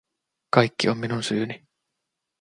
Kaikki on minun syyni.